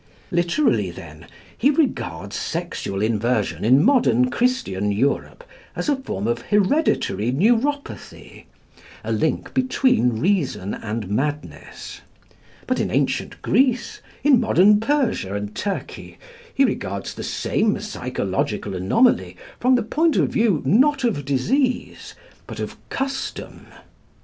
Literally, then, he regards sexual inversion in modern Christian Europe as a form of hereditary neuropathy, a link between reason and madness; but in ancient Greece, in modern Persia and Turkey, he regards the same psychological anomaly from the point of view, not of disease, but of custom.